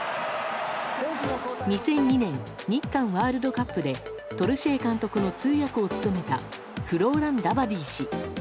２００２年日韓ワールドカップでトルシエ監督の通訳を務めたフローラン・ダバディ氏。